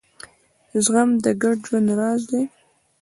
زغم د ګډ ژوند راز دی.